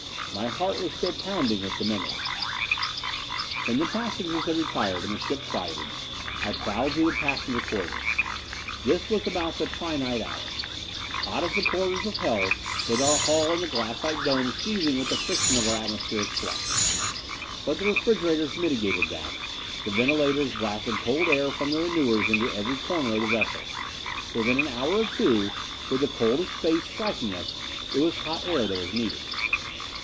My heart was still pounding with the memory.... When the passengers had retired and the ship quieted, I prowled through the passenger corridors. This was about the trinight hour. Hot as the corridors of hell, with our hull and the glassite dome seething with the friction of our atmospheric flight. But the refrigerators mitigated that; the ventilators blasted cold air from the renewers into every corner of the vessel. Within an hour or two, with the cold of space striking us, it was hot air that was needed.